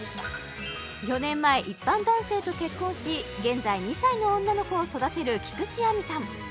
４年前一般男性と結婚し現在２歳の女の子を育てる菊地亜美さん